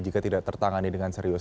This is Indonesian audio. jika tidak tertangani dengan serius